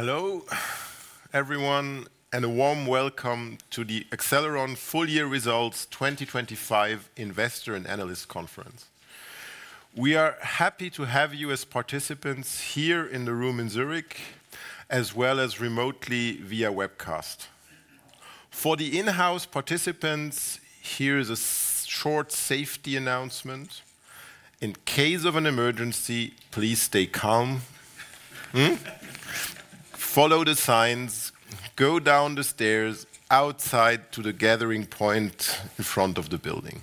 Hello, everyone, and a warm welcome to the Accelleron Full Year Results 2025 Investor and Analyst Conference. We are happy to have you as participants here in the room in Zurich, as well as remotely via webcast. For the in-house participants, here is a short safety announcement. In case of an emergency, please stay calm. Follow the signs, go down the stairs outside to the gathering point in front of the building.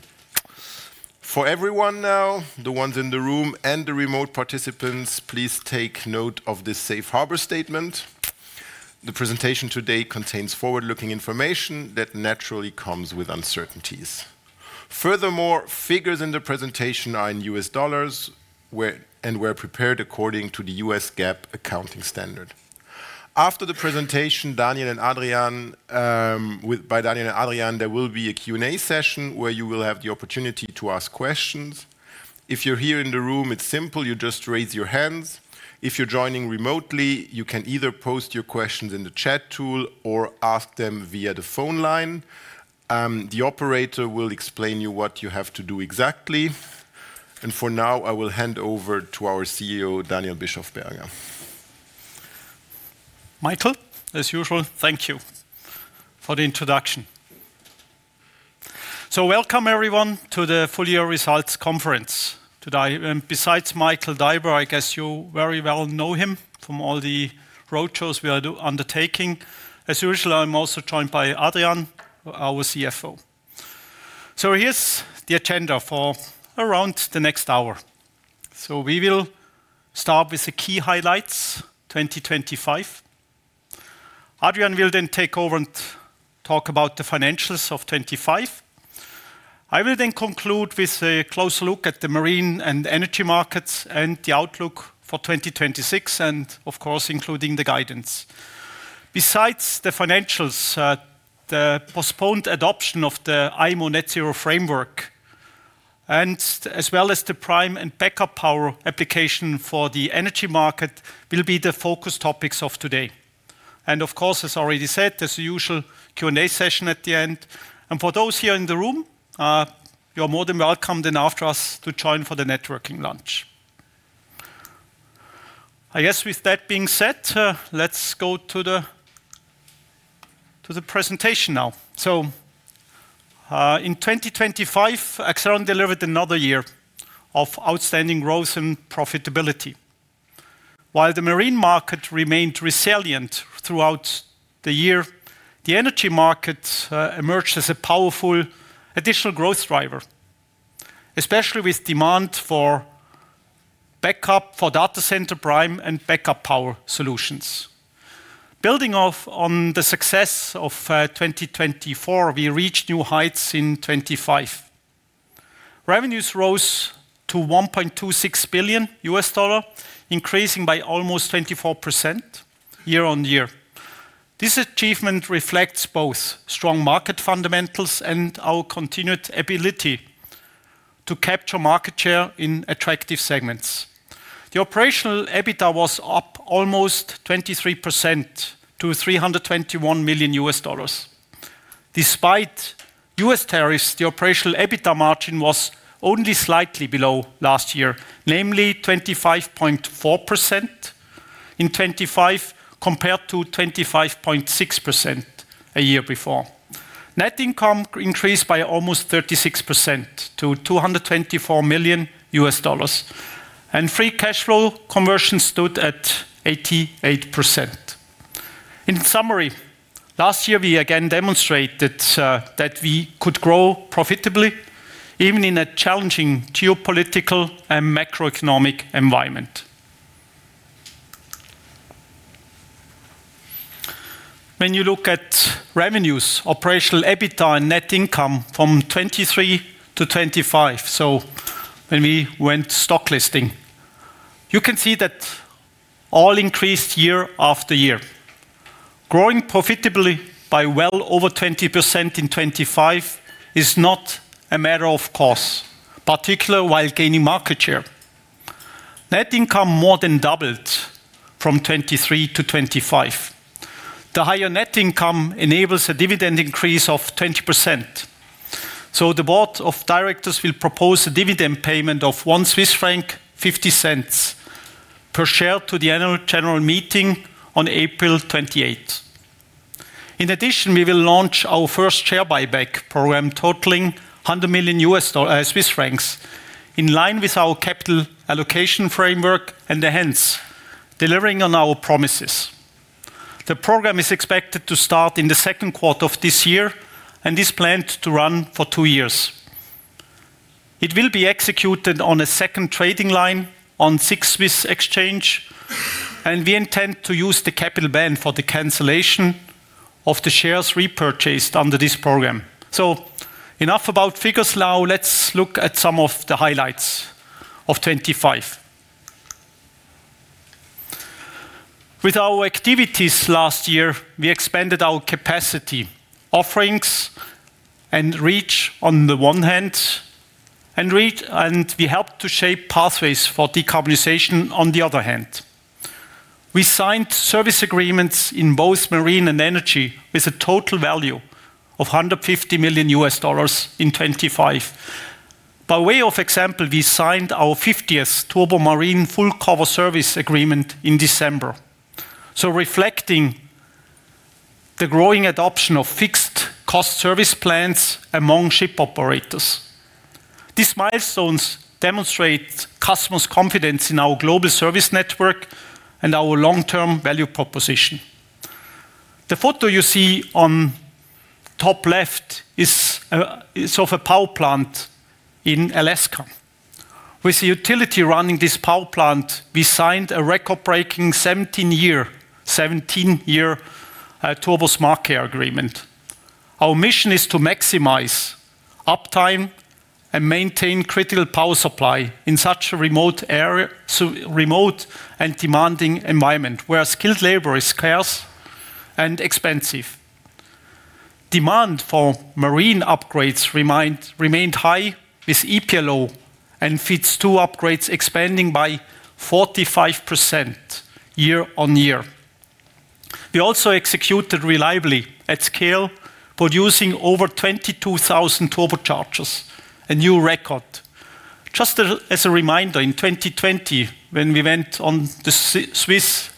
For everyone now, the ones in the room and the remote participants, please take note of this safe harbor statement. The presentation today contains forward-looking information that naturally comes with uncertainties. Furthermore, figures in the presentation are in U.S. dollars and were prepared according to the U.S. GAAP accounting standard. After the presentation, Daniel and Adrian, by Daniel and Adrian, there will be a Q&A session where you will have the opportunity to ask questions. If you're here in the room, it's simple, you just raise your hands. If you're joining remotely, you can either post your questions in the chat tool or ask them via the phone line. The operator will explain you what you have to do exactly. For now, I will hand over to our CEO, Daniel Bischofberger. Michael, as usual, thank you for the introduction. Welcome, everyone, to the Full Year Results Conference today. Besides Michael Daiber, I guess you very well know him from all the roadshows we are undertaking. As usual, I'm also joined by Adrian, our CFO. Here's the agenda for around the next hour. We will start with the key highlights, 2025. Adrian will then take over and talk about the financials of 2025. I will then conclude with a close look at the marine and energy markets and the outlook for 2026, and of course, including the guidance. Besides the financials, the postponed adoption of the IMO Net-Zero Framework and as well as the prime and backup power application for the energy market will be the focus topics of today. Of course, as already said, there's the usual Q&A session at the end. For those here in the room, you're more than welcome then after us to join for the networking lunch. I guess with that being said, let's go to the presentation now. In 2025, Accelleron delivered another year of outstanding growth and profitability. While the marine market remained resilient throughout the year, the energy market emerged as a powerful additional growth driver, especially with demand for backup for data center prime and backup power solutions. Building off on the success of 2024, we reached new heights in 2025. Revenues rose to $1.26 billion, increasing by almost 24% year on year. This achievement reflects both strong market fundamentals and our continued ability to capture market share in attractive segments. The operational EBITDA was up almost 23% to $321 million. Despite U.S. tariffs, the operational EBITDA margin was only slightly below last year, namely 25.4% in 2025, compared to 25.6% a year before. Net income increased by almost 36% to $224 million, and free cash flow conversion stood at 88%. In summary, last year we again demonstrated that we could grow profitably even in a challenging geopolitical and macroeconomic environment. When you look at revenues, operational EBITDA and net income from 2023-2025, so when we went stock listing, you can see that all increased year after year. Growing profitably by well over 20% in 2025 is not a matter of cost, particularly while gaining market share. Net income more than doubled from 2023 to 2025. The higher net income enables a dividend increase of 20%. The board of directors will propose a dividend payment of 1.50 Swiss franc per share to the annual general meeting on April 28th. In addition, we will launch our first share buyback program, totaling 100 million Swiss francs, in line with our capital allocation framework and hence, delivering on our promises. The program is expected to start in the 2nd quarter of this year and is planned to run for two years. It will be executed on a second trading line on SIX Swiss Exchange, and we intend to use the capital base for the cancellation of the shares repurchased under this program. Enough about figures now, let's look at some of the highlights of 2025. With our activities last year, we expanded our capacity, offerings and reach on the one hand and we help to shape pathways for decarbonization on the other hand. We signed service agreements in both marine and energy with a total value of $150 million in 2025. By way of example, we signed our 50th Turbo MarineCare service agreement in December, so reflecting the growing adoption of fixed cost service plans among ship operators. These milestones demonstrate customers' confidence in our global service network and our long-term value proposition. The photo you see on top left is of a power plant in Alaska. With the utility running this power plant, we signed a record-breaking 17-year Turbo SmartCare agreement. Our mission is to maximize uptime and maintain critical power supply in such a remote and demanding environment where skilled labor is scarce and expensive. Demand for marine upgrades remained high with EPLO and FiTS2 upgrades expanding by 45% year-over-year. We also executed reliably at scale, producing over 22,000 turbochargers, a new record. Just as a reminder, in 2020 when we went on the SIX Swiss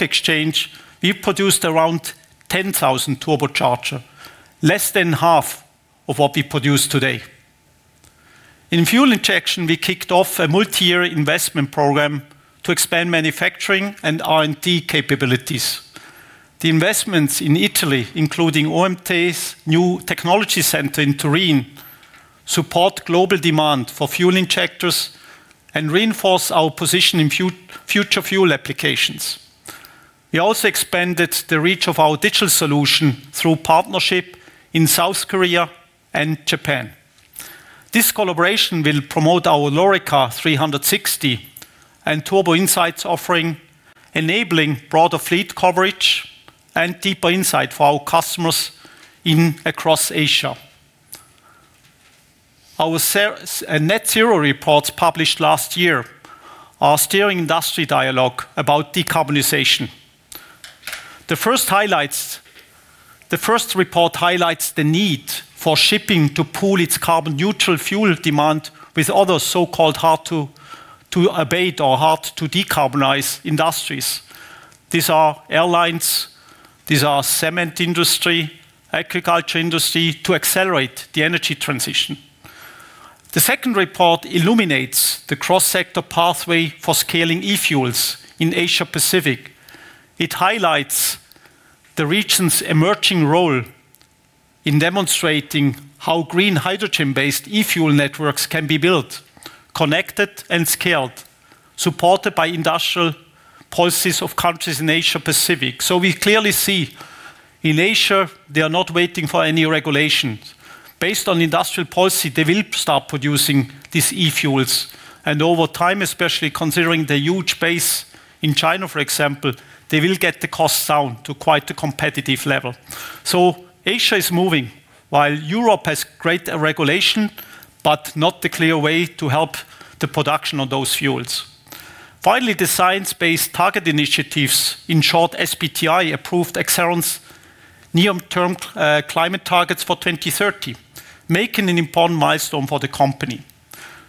Exchange, we produced around 10,000 turbocharger, less than half of what we produce today. In fuel injection, we kicked off a multi-year investment program to expand manufacturing and R&D capabilities. The investments in Italy, including OMT's new technology center in Turin, support global demand for fuel injectors and reinforce our position in future fuel applications. We also expanded the reach of our digital solution through partnership in South Korea and Japan. This collaboration will promote our LOREKA360 and Turbo Insights offering, enabling broader fleet coverage and deeper insight for our customers in and across Asia. Our net zero reports published last year are steering industry dialogue about decarbonization. The first report highlights the need for shipping to pool its carbon neutral fuel demand with other so-called hard to abate or hard to decarbonize industries. These are airlines, these are cement industry, agriculture industry to accelerate the energy transition. The second report illuminates the cross-sector pathway for scaling e-fuels in Asia-Pacific. It highlights the region's emerging role in demonstrating how green hydrogen-based e-fuel networks can be built, connected and scaled, supported by industrial policies of countries in Asia-Pacific. We clearly see in Asia, they are not waiting for any regulations. Based on industrial policy, they will start producing these e-fuels, and over time, especially considering the huge base in China, for example, they will get the costs down to quite a competitive level. Asia is moving while Europe has great regulation, but not the clear way to help the production of those fuels. Finally, the Science Based Targets initiative, in short, SBTi, approved Accelleron's near-term climate targets for 2030, making an important milestone for the company.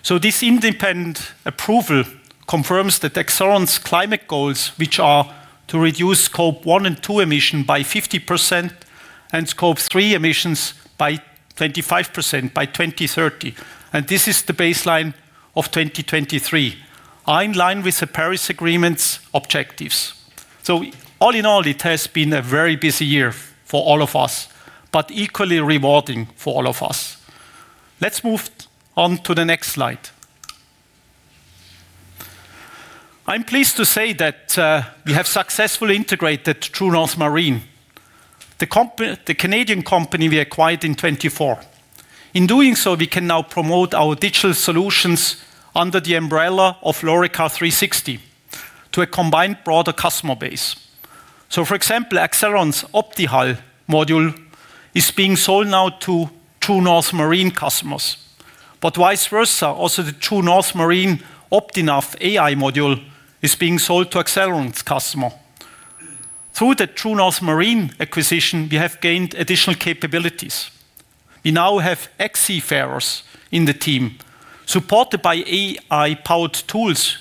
This independent approval confirms that Accelleron's climate goals, which are to reduce Scope 1 and Scope 2 emissions by 50% and Scope 3 emissions by 25% by 2030, and this is the baseline of 2023, are in line with the Paris Agreement's objectives. All in all, it has been a very busy year for all of us, but equally rewarding for all of us. Let's move on to the next slide. I'm pleased to say that we have successfully integrated True North Marine, the Canadian company we acquired in 2024. In doing so, we can now promote our digital solutions under the umbrella of LOREKA360 to a combined broader customer base. For example, Accelleron's OptiHull module is being sold now to True North Marine customers. But vice versa, also the True North Marine OptiNav AI module is being sold to Accelleron's customer. Through the True North Marine acquisition, we have gained additional capabilities. We now have seafarers in the team, supported by AI-powered tools,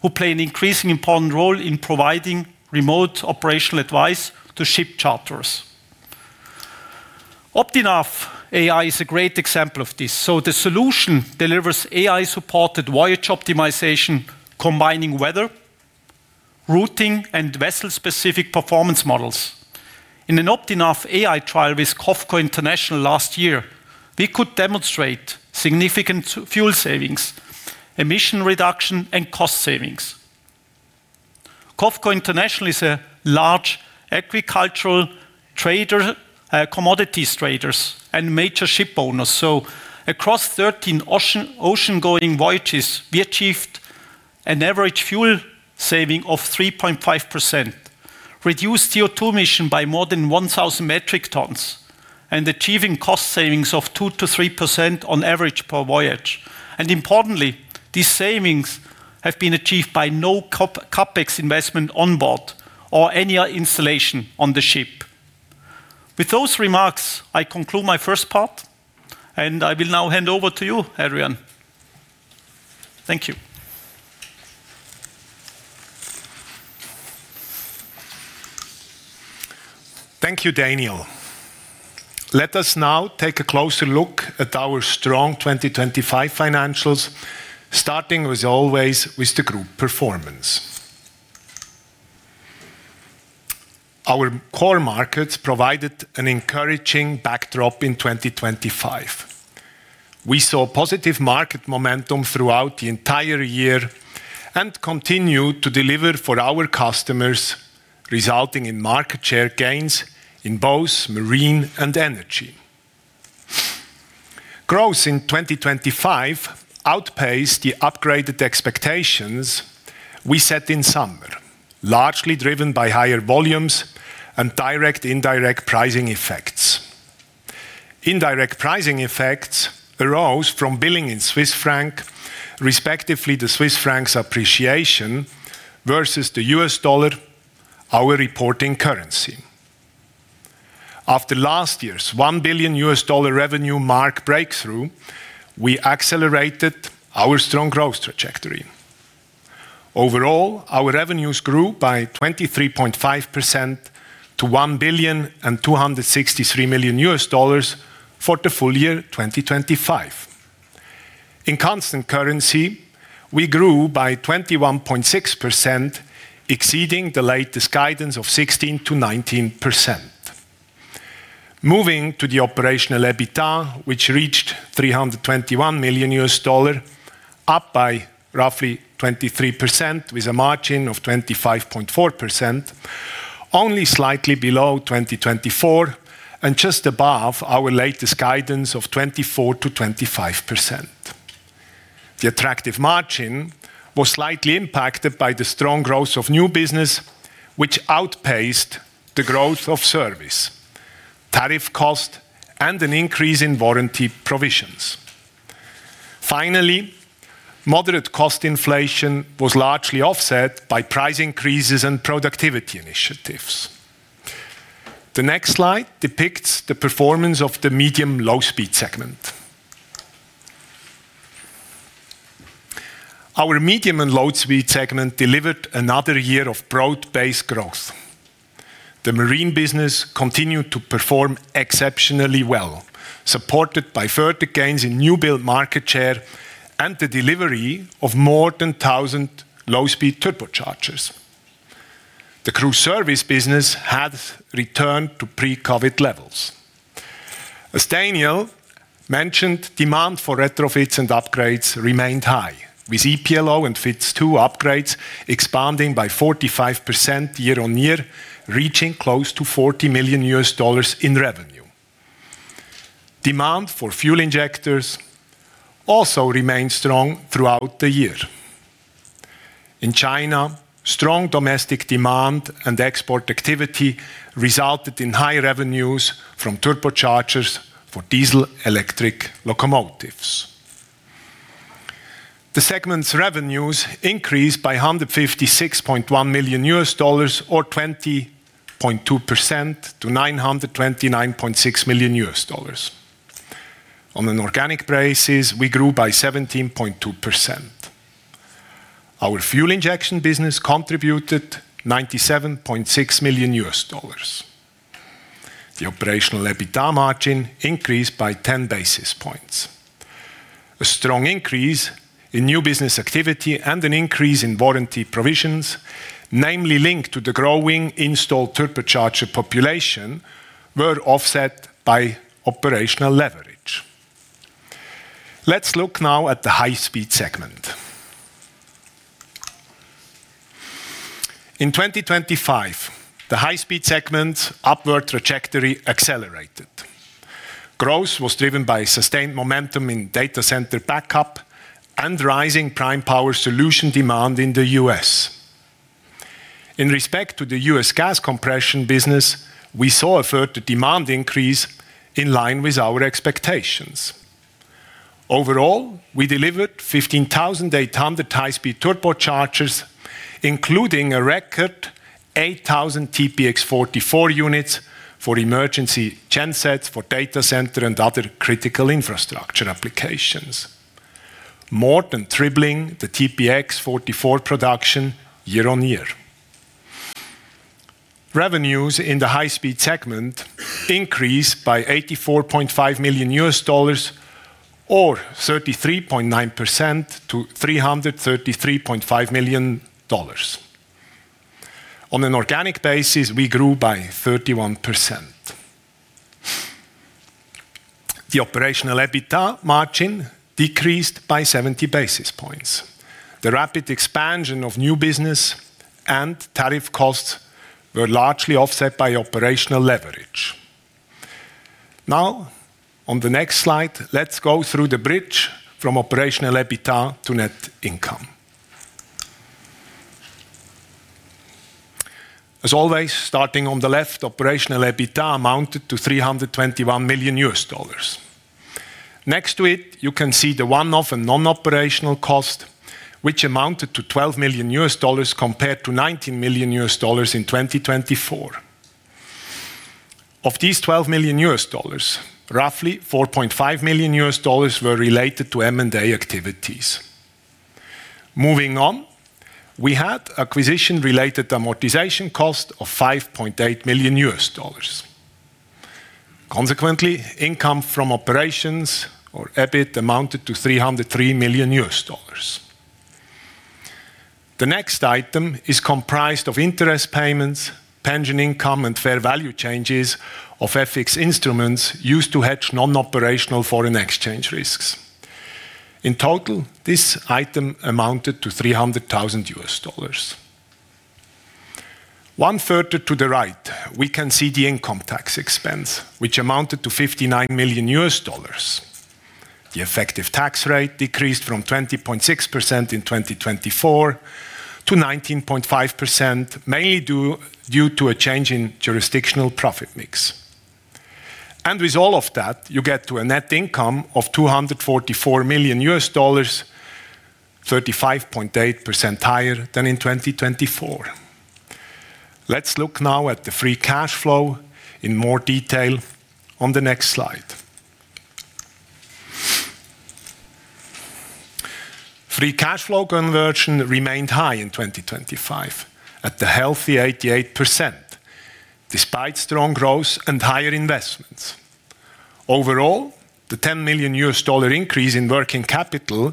who play an increasingly important role in providing remote operational advice to ship charters. OptiNav AI is a great example of this. The solution delivers AI-supported voyage optimization, combining weather, routing, and vessel-specific performance models. In an OptiNav AI trial with COFCO International last year, we could demonstrate significant fuel savings, emission reduction, and cost savings. COFCO International is a large agricultural trader, commodities traders, and major ship owner. Across 13 ocean-going voyages, we achieved an average fuel saving of 3.5%, reduced CO2 emission by more than 1,000 metric tons and achieving cost savings of 2%-3% on average per voyage. Importantly, these savings have been achieved by no CapEx investment on board or any installation on the ship. With those remarks, I conclude my first part and I will now hand over to you, Adrian. Thank you. Thank you, Daniel. Let us now take a closer look at our strong 2025 financials, starting as always, with the group performance. Our core markets provided an encouraging backdrop in 2025. We saw positive market momentum throughout the entire year and continued to deliver for our customers, resulting in market share gains in both marine and energy. Growth in 2025 outpaced the upgraded expectations we set in summer, largely driven by higher volumes and direct, indirect pricing effects. Indirect pricing effects arose from billing in Swiss franc, respectively the Swiss franc's appreciation versus the U.S. dollar, our reporting currency. After last year's $1 billion revenue mark breakthrough, we accelerated our strong growth trajectory. Overall, our revenues grew by 23.5% to $1.263 billion for the full year 2025. In constant currency, we grew by 21.6%, exceeding the latest guidance of 16%-19%. Moving to the operational EBITDA, which reached $321 million, up by roughly 23% with a margin of 25.4%, only slightly below 2024 and just above our latest guidance of 24%-25%. The attractive margin was slightly impacted by the strong growth of new business, which outpaced the growth of service, tariff cost, and an increase in warranty provisions. Finally, moderate cost inflation was largely offset by price increases and productivity initiatives. The next slide depicts the performance of the medium-low speed segment. Our medium and low speed segment delivered another year of broad-based growth. The marine business continued to perform exceptionally well, supported by further gains in new build market share and the delivery of more than 1,000 low-speed turbochargers. The cruise service business has returned to pre-COVID levels. As Daniel mentioned, demand for retrofits and upgrades remained high, with EPLO and FiTS2 upgrades expanding by 45% year-on-year, reaching close to $40 million in revenue. Demand for fuel injectors also remained strong throughout the year. In China, strong domestic demand and export activity resulted in high revenues from turbochargers for diesel electric locomotives. The segment's revenues increased by $156.1 million or 20.2% to $929.6 million. On an organic basis, we grew by 17.2%. Our fuel injection business contributed $97.6 million. The operational EBITDA margin increased by 10 basis points. A strong increase in new business activity and an increase in warranty provisions, namely linked to the growing installed turbocharger population, were offset by operational leverage. Let's look now at the high-speed segment. In 2025, the high-speed segment upward trajectory accelerated. Growth was driven by sustained momentum in data center backup and rising prime power solution demand in the U.S. In respect to the U.S. gas compression business, we saw a further demand increase in line with our expectations. Overall, we delivered 15,800 high-speed turbochargers, including a record 8,000 TPX 44 units for emergency gen sets for data center and other critical infrastructure applications, more than tripling the TPX 44 production year-on-year. Revenues in the high speed segment increased by $84.5 million or 33.9% to $333.5 million. On an organic basis, we grew by 31%. The operational EBITDA margin decreased by 70 basis points. The rapid expansion of new business and tariff costs were largely offset by operational leverage. Now, on the next slide, let's go through the bridge from operational EBITDA to net income. As always, starting on the left, operational EBITDA amounted to $321 million. Next to it, you can see the one-off and non-operational cost which amounted to $12 million compared to $19 million in 2024. Of these $12 million, roughly $4.5 million were related to M&A activities. Moving on, we had acquisition-related amortization cost of $5.8 million. Consequently, income from operations or EBIT amounted to $303 million. The next item is comprised of interest payments, pension income, and fair value changes of FX instruments used to hedge non-operational foreign exchange risks. In total, this item amounted to $300,000. One further to the right, we can see the income tax expense, which amounted to $59 million. The effective tax rate decreased from 20.6% in 2024 to 19.5%, mainly due to a change in jurisdictional profit mix. With all of that, you get to a net income of $244 million, 35.8% higher than in 2024. Let's look now at the free cash flow in more detail on the next slide. Free cash flow conversion remained high in 2025 at a healthy 88% despite strong growth and higher investments. Overall, the $10 million increase in working capital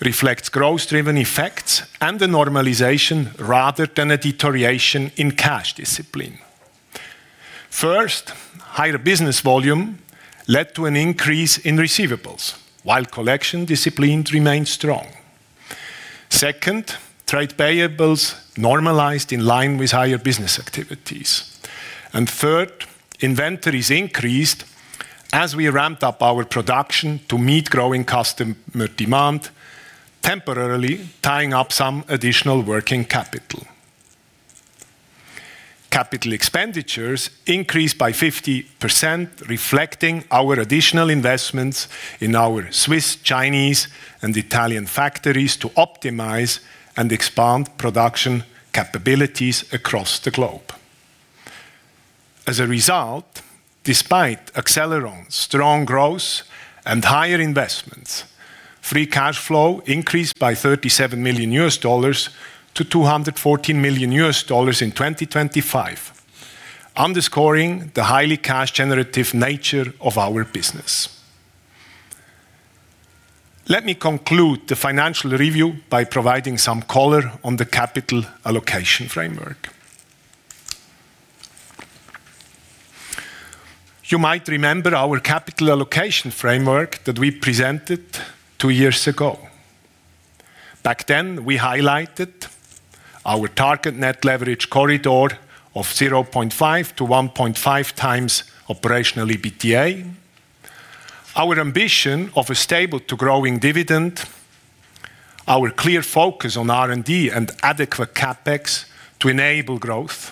reflects growth-driven effects and a normalization rather than a deterioration in cash discipline. First, higher business volume led to an increase in receivables, while collection disciplines remained strong. Second, trade payables normalized in line with higher business activities. Third, inventories increased as we ramped up our production to meet growing customer demand, temporarily tying up some additional working capital. Capital expenditures increased by 50%, reflecting our additional investments in our Swiss, Chinese, and Italian factories to optimize and expand production capabilities across the globe. As a result, despite Accelleron's strong growth and higher investments, free cash flow increased by $37 million-$214 million in 2025, underscoring the highly cash generative nature of our business. Let me conclude the financial review by providing some color on the capital allocation framework. You might remember our capital allocation framework that we presented two years ago. Back then, we highlighted our target net leverage corridor of 0.5-1.5 times operational EBITDA, our ambition of a stable to growing dividend, our clear focus on R&D and adequate CapEx to enable growth,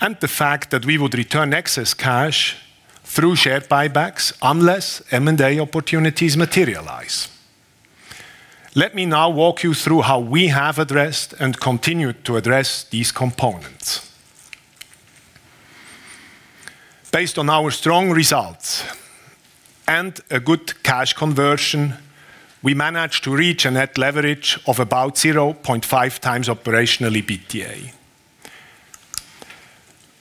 and the fact that we would return excess cash through share buybacks unless M&A opportunities materialize. Let me now walk you through how we have addressed and continue to address these components. Based on our strong results and a good cash conversion, we managed to reach a net leverage of about 0.5x operational EBITDA.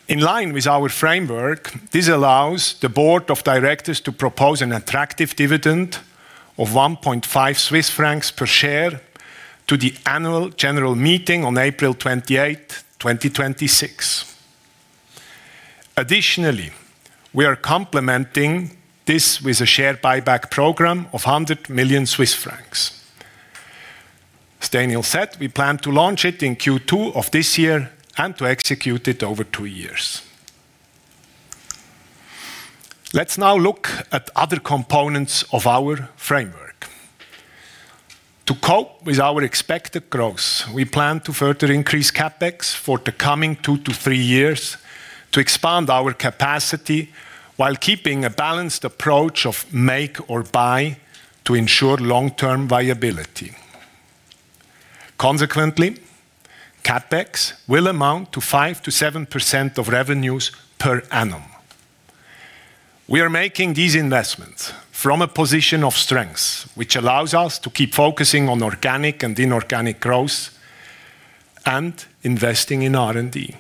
In line with our framework, this allows the board of directors to propose an attractive dividend of 1.5 Swiss francs per share to the annual general meeting on April 28, 2026. Additionally, we are complementing this with a share buyback program of 100 million Swiss francs. As Daniel said, we plan to launch it in Q2 of this year and to execute it over two years. Let's now look at other components of our framework. To cope with our expected growth, we plan to further increase CapEx for the coming two to three years to expand our capacity while keeping a balanced approach of make or buy to ensure long-term viability. Consequently, CapEx will amount to 5%-7% of revenues per annum. We are making these investments from a position of strength, which allows us to keep focusing on organic and inorganic growth and investing in R&D.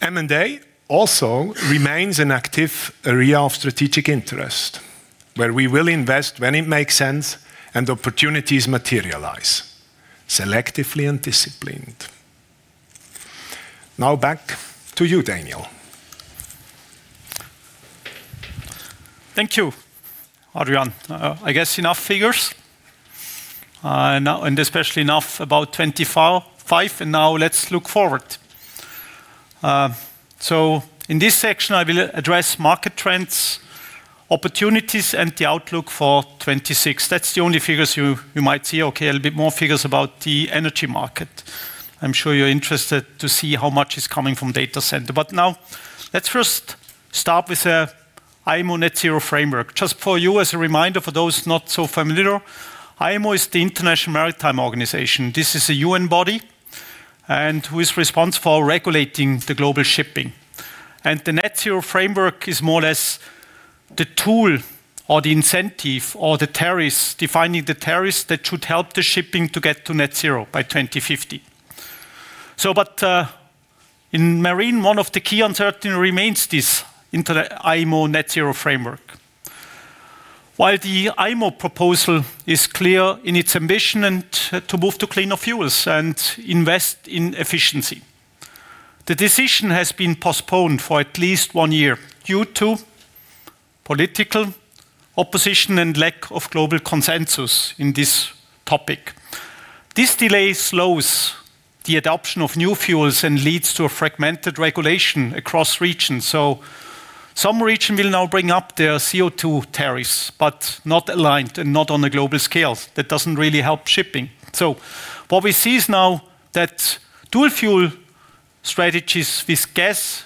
M&A also remains an active area of strategic interest, where we will invest when it makes sense and opportunities materialize selectively and disciplined. Now back to you, Daniel. Thank you, Adrian. I guess enough figures. Now, especially enough about 2024, 2025, and now let's look forward. In this section, I will address market trends, opportunities, and the outlook for 2026. That's the only figures you might see. Okay. A little bit more figures about the energy market. I'm sure you're interested to see how much is coming from data center. Now let's first start with the IMO Net-Zero Framework. Just for you as a reminder for those not so familiar, IMO is the International Maritime Organization. This is a UN body and who is responsible for regulating the global shipping. The Net-Zero Framework is more or less the tool or the incentive or the tariffs, defining the tariffs that should help the shipping to get to net zero by 2050. In marine, one of the key uncertainty remains this into the IMO Net-Zero Framework. While the IMO proposal is clear in its ambition and to move to cleaner fuels and invest in efficiency, the decision has been postponed for at least one year due to political opposition and lack of global consensus in this topic. This delay slows the adoption of new fuels and leads to a fragmented regulation across regions. Some region will now bring up their CO₂ tariffs, but not aligned and not on a global scale. That doesn't really help shipping. What we see is now that dual fuel strategies with gas,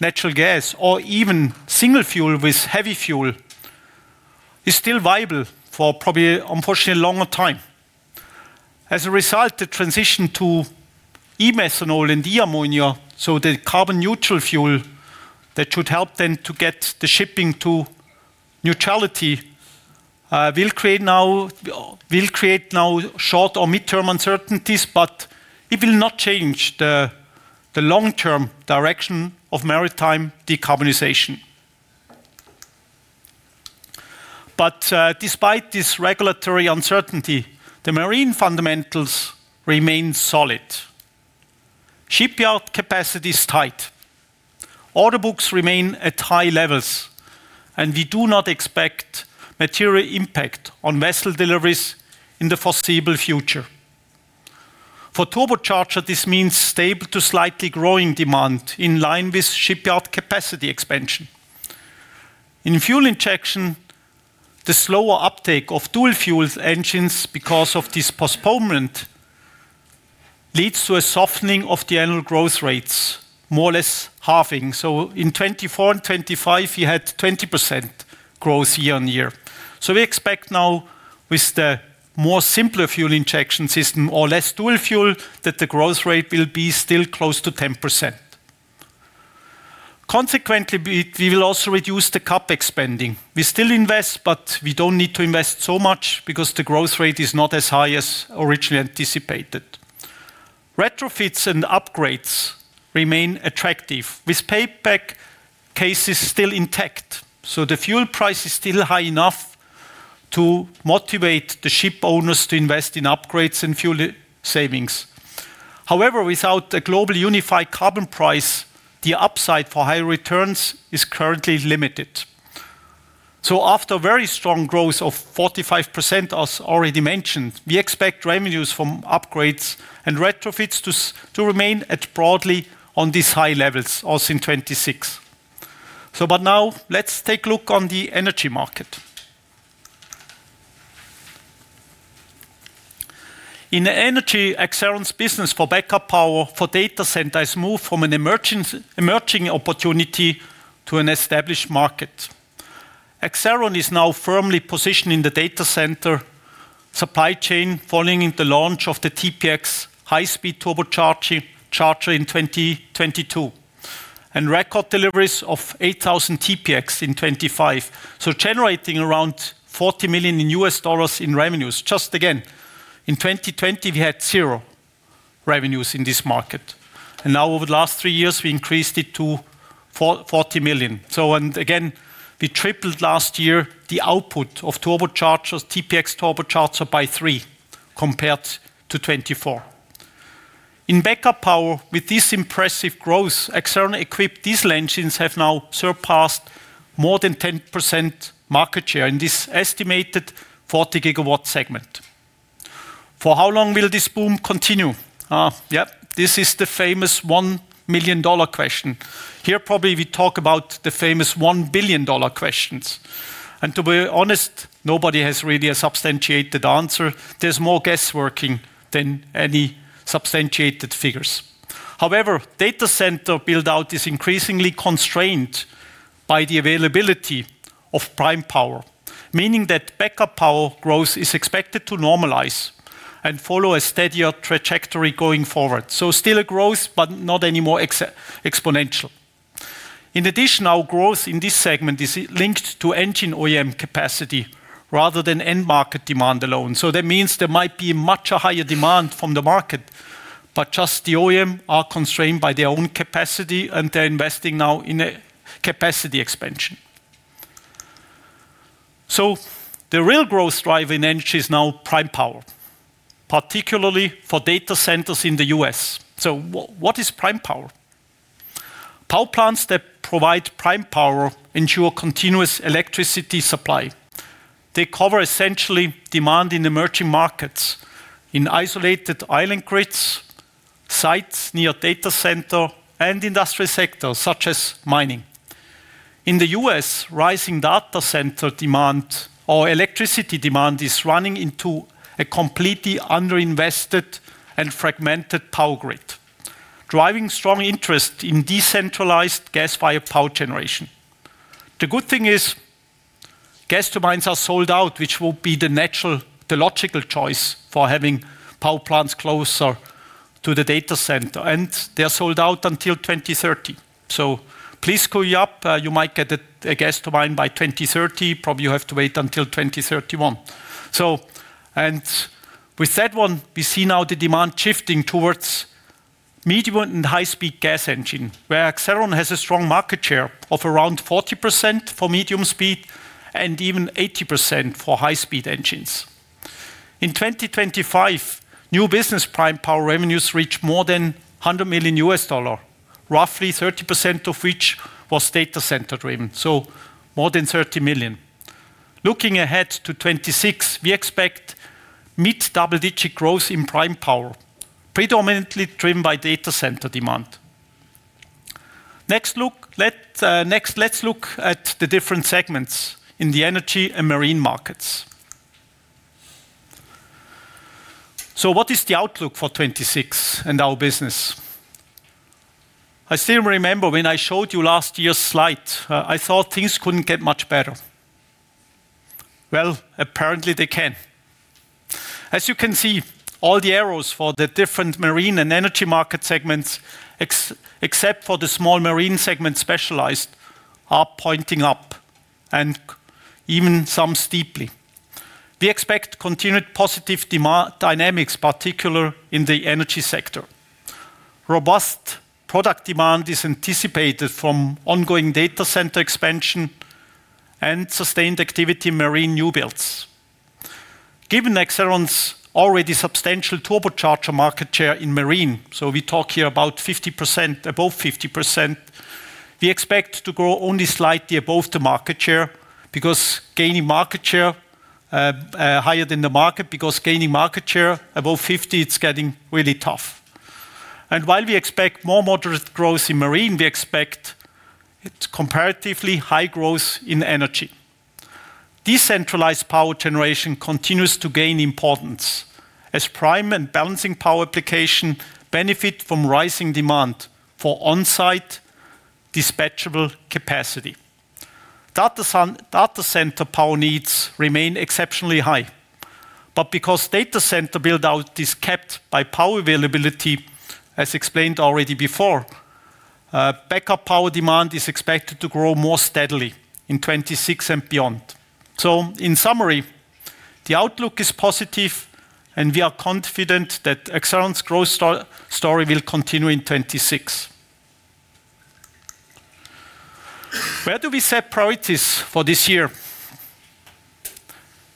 natural gas or even single fuel with heavy fuel is still viable for probably, unfortunately, a longer time. As a result, the transition to e-methanol and e-ammonia, so the carbon-neutral fuel that should help them to get the shipping to neutrality, will create short or mid-term uncertainties, but it will not change the long-term direction of maritime decarbonization. Despite this regulatory uncertainty, the marine fundamentals remain solid. Shipyard capacity is tight. Order books remain at high levels, and we do not expect material impact on vessel deliveries in the foreseeable future. For turbocharger, this means stable to slightly growing demand in line with shipyard capacity expansion. In fuel injection, the slower uptake of dual-fuel engines because of this postponement leads to a softening of the annual growth rates more or less halving. In 2024 and 2025 you had 20% growth year-over-year. We expect now with the more simpler fuel injection system or less dual fuel, that the growth rate will be still close to 10%. Consequently, we will also reduce the CapEx spending. We still invest, but we don't need to invest so much because the growth rate is not as high as originally anticipated. Retrofits and upgrades remain attractive with payback cases still intact. The fuel price is still high enough to motivate the ship owners to invest in upgrades and fuel savings. However, without a global unified carbon price, the upside for high returns is currently limited. After very strong growth of 45%, as already mentioned, we expect revenues from upgrades and retrofits to remain at broadly on these high levels also in 2026. Now let's take a look on the energy market. In energy, Accelleron's business for backup power for data center has moved from an emerging opportunity to an established market. Accelleron is now firmly positioned in the data center supply chain following the launch of the TPX high-speed turbocharger in 2022, and record deliveries of 8,000 TPX in 2025. Generating around $40 million in revenues. Just again, in 2020 we had zero revenues in this market, and now over the last three years we increased it to $40 million. Again, we tripled last year the output of TPX turbochargers by three compared to 2024. In backup power, with this impressive growth, Accelleron-equipped diesel engines have now surpassed more than 10% market share in this estimated 40-gigawatt segment. For how long will this boom continue? Yeah. This is the famous $1 million question. Here probably we talk about the famous $1 billion questions. To be honest, nobody has really a substantiated answer. There's more guesstimating than any substantiated figures. However, data center build-out is increasingly constrained by the availability of prime power, meaning that backup power growth is expected to normalize and follow a steadier trajectory going forward. Still a growth, but not anymore exponential. In addition, our growth in this segment is linked to engine OEM capacity rather than end market demand alone. That means there might be much higher demand from the market, but just the OEM are constrained by their own capacity, and they're investing now in a capacity expansion. The real growth drive in energy is now prime power. Particularly for data centers in the U.S. What is prime power? Power plants that provide prime power ensure continuous electricity supply. They cover essentially demand in emerging markets, in isolated island grids, sites near data center, and industrial sectors such as mining. In the U.S., rising data center demand or electricity demand is running into a completely under-invested and fragmented power grid, driving strong interest in decentralized gas-fired power generation. The good thing is gas turbines are sold out, which will be the natural, the logical choice for having power plants closer to the data center, and they are sold out until 2030. Please hurry up. You might get a gas turbine by 2030. Probably you have to wait until 2031. With that one, we see now the demand shifting towards medium and high-speed gas engine, where Accelleron has a strong market share of around 40% for medium speed and even 80% for high-speed engines. In 2025, new business prime power revenues reach more than $100 million, roughly 30% of which was data center driven, so more than $30 million. Looking ahead to 2026, we expect mid-double-digit growth in prime power, predominantly driven by data center demand. Let's look at the different segments in the energy and marine markets. What is the outlook for 2026 in our business? I still remember when I showed you last year's slide. I thought things couldn't get much better. Apparently they can. As you can see, all the arrows for the different marine and energy market segments, except for the small marine segment specialized, are pointing up, and even some steeply. We expect continued positive dynamics, particularly in the energy sector. Robust product demand is anticipated from ongoing data center expansion and sustained activity in marine new builds. Given Accelleron's already substantial turbocharger market share in marine, so we talk here about 50%, above 50%, we expect to grow only slightly above the market share because gaining market share higher than the market because gaining market share above 50%, it's getting really tough. While we expect more moderate growth in marine, we expect comparatively high growth in energy. Decentralized power generation continues to gain importance as prime and balancing power application benefit from rising demand for on-site dispatchable capacity. Data center power needs remain exceptionally high. Because data center build-out is capped by power availability, as explained already before, backup power demand is expected to grow more steadily in 2026 and beyond. In summary, the outlook is positive, and we are confident that Accelleron's growth story will continue in 2026. Where do we set priorities for this year?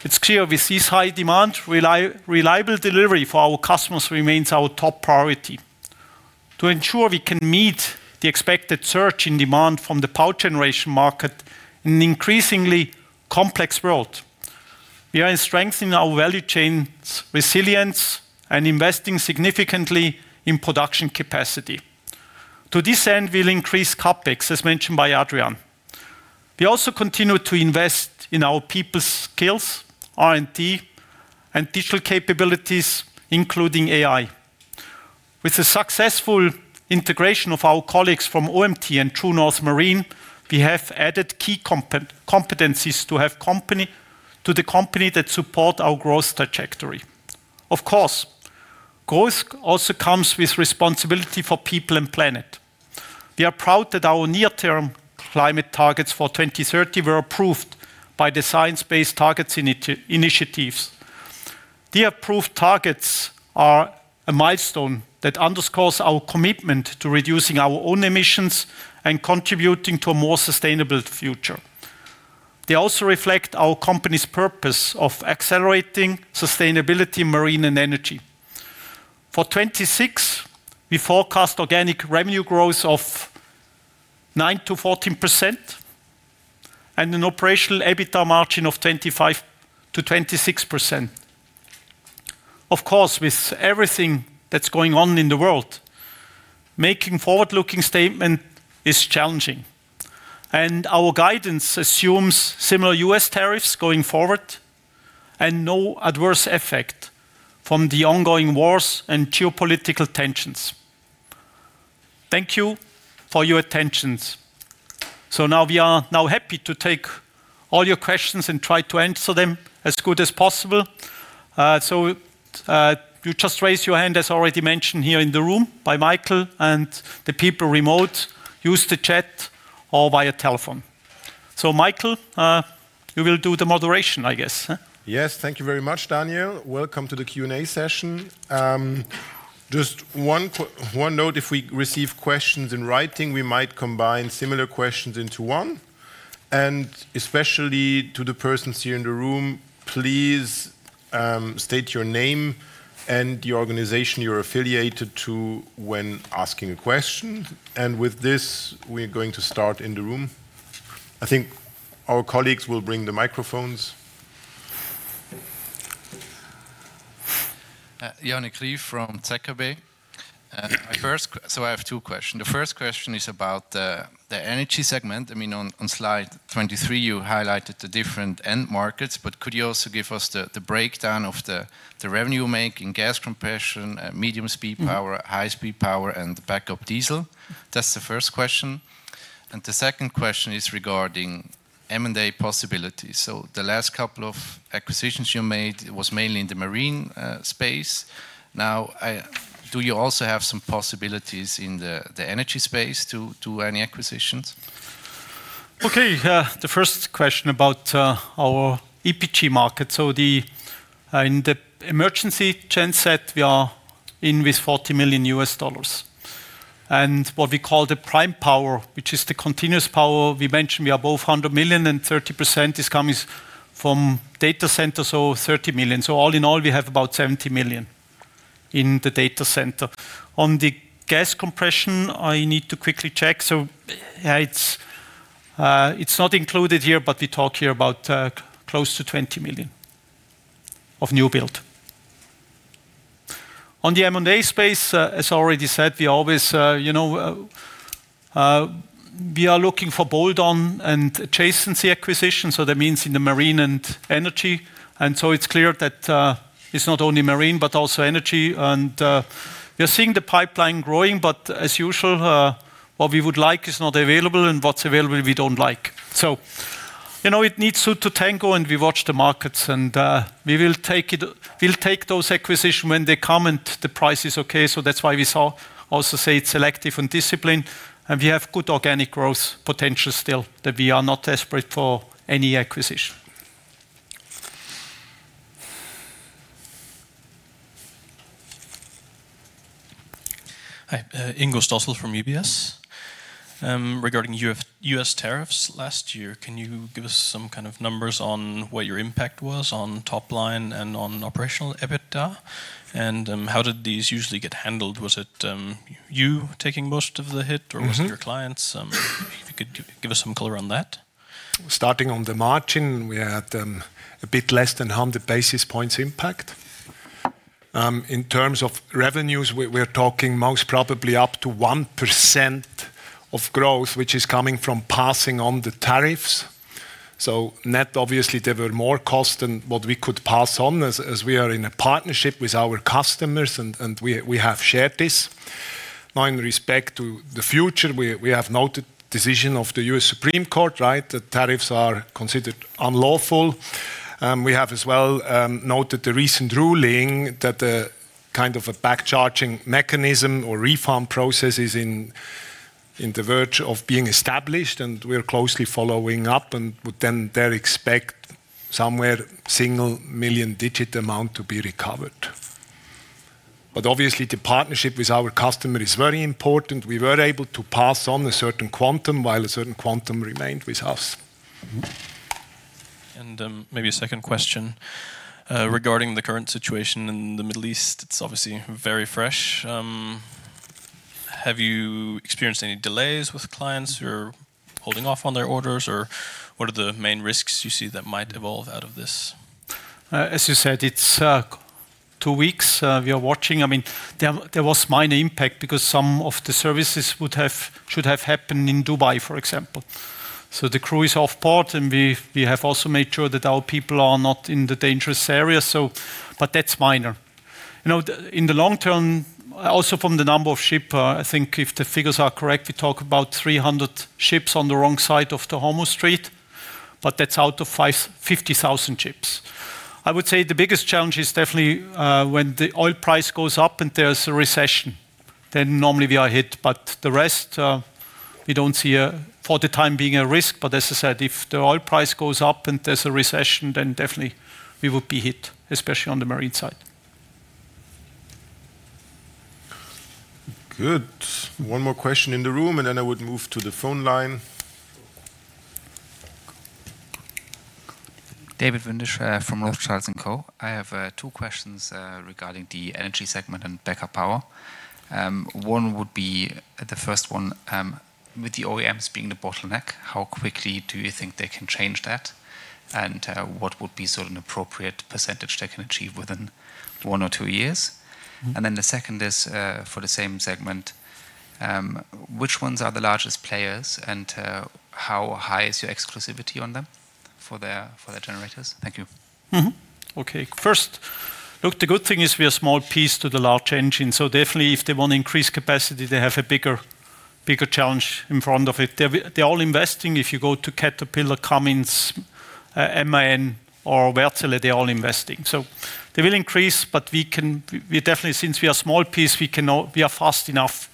It's clear with this high demand, reliable delivery for our customers remains our top priority. To ensure we can meet the expected surge in demand from the power generation market in an increasingly complex world, we are strengthening our value chain's resilience and investing significantly in production capacity. To this end, we'll increase CapEx, as mentioned by Adrian. We also continue to invest in our people skills, R&D, and digital capabilities, including AI. With the successful integration of our colleagues from OMT and True North Marine, we have added key competencies to the company that support our growth trajectory. Of course, growth also comes with responsibility for people and planet. We are proud that our near-term climate targets for 2030 were approved by the Science Based Targets initiative. The approved targets are a milestone that underscores our commitment to reducing our own emissions and contributing to a more sustainable future. They also reflect our company's purpose of accelerating sustainability in marine and energy. For 2026, we forecast organic revenue growth of 9%-14% and an operational EBITDA margin of 25%-26%. Of course, with everything that's going on in the world, making forward-looking statement is challenging, and our guidance assumes similar U.S. tariffs going forward and no adverse effect from the ongoing wars and geopolitical tensions. Thank you for your attention. Now we are happy to take all your questions and try to answer them as good as possible. You just raise your hand, as already mentioned here in the room by Michael and the people remote, use the chat or via telephone. Michael, you will do the moderation, I guess, huh? Yes. Thank you very much, Daniel. Welcome to the Q&A session. Just one note, if we receive questions in writing, we might combine similar questions into one. Especially to the persons here in the room, please, state your name and the organization you're affiliated to when asking a question. With this, we're going to start in the room. I think our colleagues will bring the microphones. Yannick Lee from Zuckerberg. I have two question. The first question is about the energy segment. I mean, on slide 23, you highlighted the different end markets, but could you also give us the breakdown of the revenue mix in gas compression, medium speed power, high speed power, and the backup diesel. That's the first question. The second question is regarding M&A possibilities. The last couple of acquisitions you made was mainly in the marine space. Do you also have some possibilities in the energy space to any acquisitions? Okay. The first question about our EPG market. In the emergency genset, we are in with $40 million. What we call the prime power, which is the continuous power, we mentioned we are at 100 million and 30% is coming from data centers, so $30 million. All in all, we have about $70 million in the data center. On the gas compression, I need to quickly check. Yeah, it's not included here, but we talk here about close to $20 million of new build. On the M&A space, as already said, we always, you know, we are looking for bolt-on and adjacency acquisition, so that means in the marine and energy. It's clear that it's not only marine, but also energy. We are seeing the pipeline growing, but as usual, what we would like is not available and what's available, we don't like. You know, it takes two to tango, and we watch the markets and we'll take those acquisitions when they come and the price is okay. That's why we also say it's selective and disciplined, and we have good organic growth potential still that we are not desperate for any acquisition. Hi. Ingo Stössel from UBS. Regarding U.S. tariffs last year, can you give us some kind of numbers on what your impact was on top line and on operational EBITDA? How did these usually get handled? Was it you taking most of the hit? Mm-hmm. Or was it your clients? If you could give us some color on that. Starting on the margin, we had a bit less than 100 basis points impact. In terms of revenues, we're talking most probably up to 1% growth, which is coming from passing on the tariffs. Net, obviously, there were more cost than what we could pass on as we are in a partnership with our customers and we have shared this. Now, in respect to the future, we have noted decision of the U.S. Supreme Court, right? That tariffs are considered unlawful. We have as well noted the recent ruling that a kind of a back-charging mechanism or refund process is in the verge of being established, and we're closely following up and would then there expect somewhere single-digit million CHF amount to be recovered. Obviously, the partnership with our customer is very important. We were able to pass on a certain quantum while a certain quantum remained with us. Maybe a second question regarding the current situation in the Middle East. It's obviously very fresh. Have you experienced any delays with clients who are holding off on their orders? Or what are the main risks you see that might evolve out of this? As you said, it's two weeks. We are watching. I mean, there was minor impact because some of the services should have happened in Dubai, for example. So the crew is off port, and we have also made sure that our people are not in the dangerous area, so but that's minor. You know, in the long term, also from the number of ship, I think if the figures are correct, we talk about 300 ships on the wrong side of the Hormuz Strait, but that's out of 50,000 ships. I would say the biggest challenge is definitely when the oil price goes up and there's a recession, then normally we are hit. But the rest, we don't see, for the time being, a risk. As I said, if the oil price goes up and there's a recession, then definitely we would be hit, especially on the marine side. Good. One more question in the room, and then I would move to the phone line. David Windisch from Rothschild & Co. I have two questions regarding the energy segment and backup power. One would be, the first one, with the OEMs being the bottleneck, how quickly do you think they can change that? What would be sort of an appropriate percentage they can achieve within one or two years? Mm-hmm. The second is for the same segment, which ones are the largest players, and how high is your exclusivity on them for their generators? Thank you. Mm-hmm. Okay. First, look, the good thing is we are small piece of the large engine. So definitely if they want increased capacity, they have a bigger challenge in front of it. They're all investing. If you go to Caterpillar, Cummins, MAN or Wärtsilä, they're all investing. So they will increase, but we definitely, since we are small piece, we are fast enough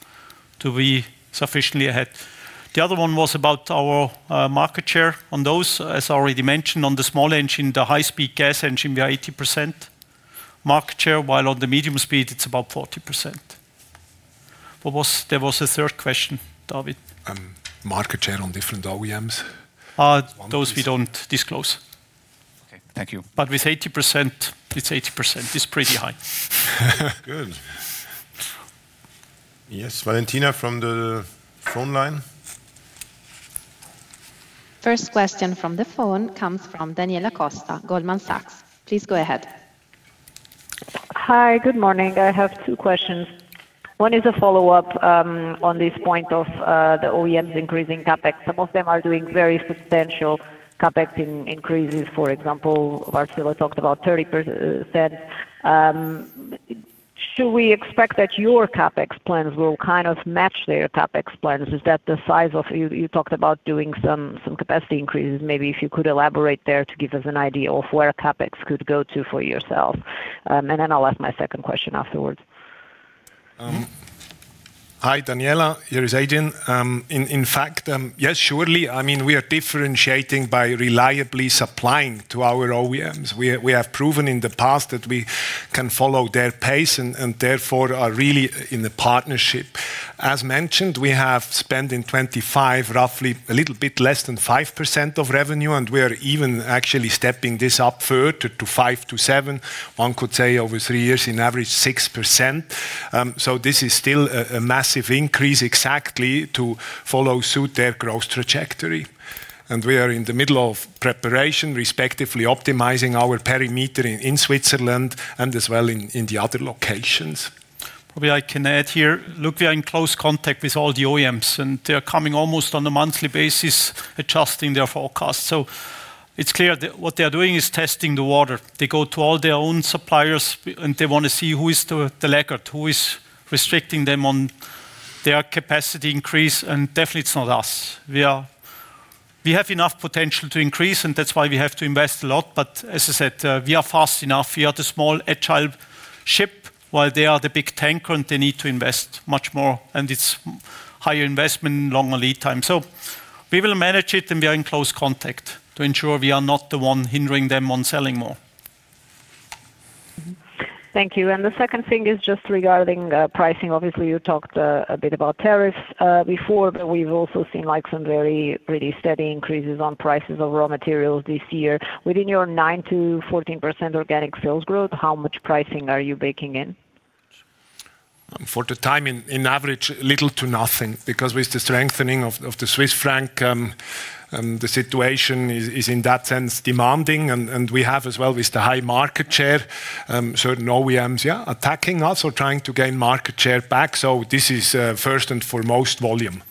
to be sufficiently ahead. The other one was about our market share. On those, as already mentioned, on the small engine, the high-speed gas engine, we are 80% market share, while on the medium speed it's about 40%. What was-- There was a third question, David. Market share on different OEMs. Those we don't disclose. Okay, thank you. With 80%, it's 80%. It's pretty high. Good. Yes. Valentina from the phone line. First question from the phone comes from Daniela Costa, Goldman Sachs. Please go ahead. Hi. Good morning. I have two questions. One is a follow-up on this point of the OEMs increasing CapEx. Some of them are doing very substantial CapEx increases. For example, Wärtsilä talked about 30%. Should we expect that your CapEx plans will kind of match their CapEx plans? Is that the size of. You talked about doing some capacity increases. Maybe if you could elaborate there to give us an idea of where CapEx could go to for yourself. I'll ask my second question afterwards. Hi, Daniela. Here is Adrian. In fact, yes, surely. I mean, we are differentiating by reliably supplying to our OEMs. We have proven in the past that we can follow their pace and therefore are really in the partnership. As mentioned, we have spent in 2025 roughly a little bit less than 5% of revenue, and we are even actually stepping this up further to 5%-7%. One could say over three years in average 6%. This is still a massive increase exactly to follow suit their growth trajectory. We are in the middle of preparation, respectively optimizing our parameter in Switzerland and as well in the other locations. Probably I can add here. Look, we are in close contact with all the OEMs, and they're coming almost on a monthly basis, adjusting their forecast. It's clear that what they are doing is testing the waters. They go to all their own suppliers, and they want to see who is the laggard, who is restricting them on their capacity increase, and definitely it's not us. We have enough potential to increase, and that's why we have to invest a lot. As I said, we are fast enough. We are the small agile ship while they are the big tanker, and they need to invest much more. It's higher investment, longer lead time. We will manage it, and we are in close contact to ensure we are not the one hindering them on selling more. Mmm-hmm. Thank you. The second thing is just regarding pricing. Obviously, you talked a bit about tariffs before, but we've also seen like some very pretty steady increases on prices of raw materials this year. Within your 9%-14% organic sales growth, how much pricing are you baking in? For the time being, on average, little to nothing. Because with the strengthening of the Swiss franc, the situation is in that sense demanding. We have as well with the high market share, certain OEMs attacking us or trying to gain market share back. This is first and foremost volume.